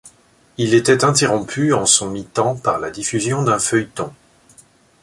Il était interrompu en son mitan par la diffusion d'un feuilleton.